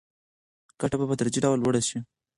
ګټه به په تدریجي ډول لوړه شي.